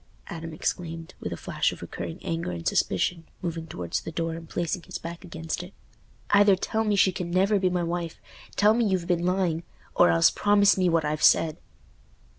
Adam exclaimed, with a flash of recurring anger and suspicion, moving towards the door and placing his back against it. "Either tell me she can never be my wife—tell me you've been lying—or else promise me what I've said."